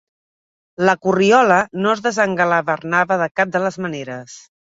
La corriola no es desengalavernava de cap de les maneres.